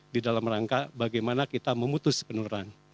di dalam rangka bagaimana kita memutus penurunan